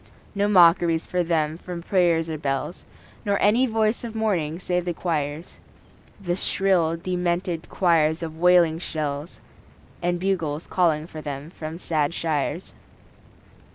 No mockeries for them from prayers or bells, Nor any voice of mourning save the choirs The shrill, demented choirs of wailing shells; And bugles calling for them from sad shires.